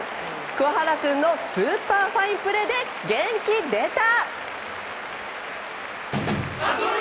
桑原君のスーパーファインプレーで元気出た！